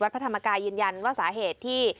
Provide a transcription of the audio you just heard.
พระธรรมกายยืนยันว่าสาเหตุที่